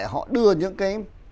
họ đưa những cái